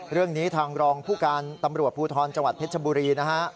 เรื่องนี้ทางรองผู้การตำรวจภูทรจังหวัดเพชรบุรีนะฮะ